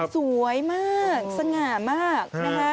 สวยมากสง่ามาก